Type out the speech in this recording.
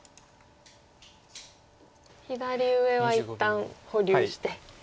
左上は一旦保留して。